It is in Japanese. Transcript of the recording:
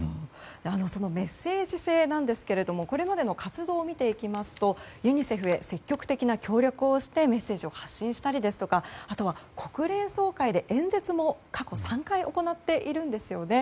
そのメッセージ性ですがこれまでの活動を見ていきますとユニセフへ積極的な協力をしてメッセージを発信したりですとかあとは国連総会で演説も過去３回行っているんですね。